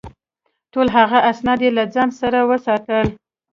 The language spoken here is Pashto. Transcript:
ټول هغه اسناد یې له ځان سره وساتل.